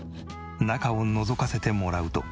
中をのぞかせてもらうと。